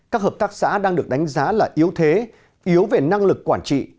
các hợp tác xã đang được đánh giá là yếu thế yếu về năng lực quản trị